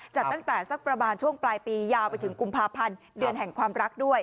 จัดตั้งแต่สักประมาณช่วงปลายปียาวไปถึงกุมภาพันธ์เดือนแห่งความรักด้วย